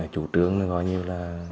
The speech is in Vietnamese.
chủ trương nó gọi như là